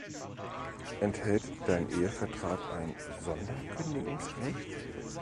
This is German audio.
Enthält dein Ehevertrag ein Sonderkündigungsrecht?